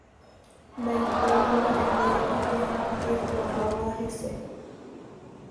Ndaipóri mba'eve ja'ekuaáva hese.